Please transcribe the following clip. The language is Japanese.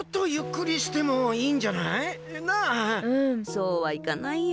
そうはいかないよ。